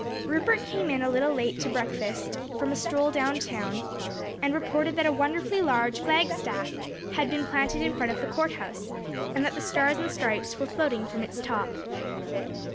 Rupert came in a little late to breakfast, from a stroll down town, and reported that a wonderfully large flag staff had been planted in front of the court house, and that the stars and stripes were floating from its top.